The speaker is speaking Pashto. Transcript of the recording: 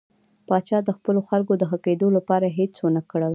پاچا د خپلو خلکو د ښه کېدو لپاره هېڅ ونه کړل.